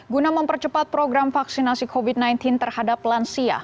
guna mempercepat program vaksinasi covid sembilan belas terhadap lansia